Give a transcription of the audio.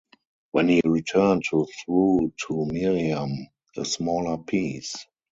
When he returned he threw to Miriam a smaller piece.